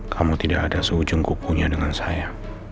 kamu tidak ada seujung kukunya dengan saya